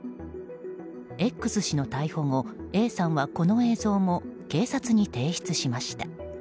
Ｘ氏の逮捕後Ａさんはこの映像も警察に提出しました。